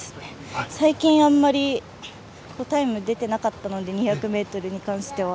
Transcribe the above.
最近、あまりタイムが出ていなかったので２００ｍに関しては。